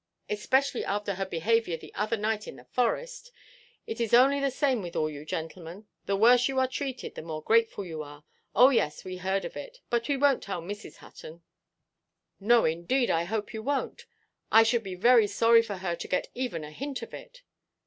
"Especially after her behaviour the other night in the forest. It is the same with all you gentlemen; the worse you are treated, the more grateful you are. Oh yes, we heard of it; but we wonʼt tell Mrs. Hutton." "No, indeed, I hope you wonʼt. I should be very sorry for her to get even a hint of it."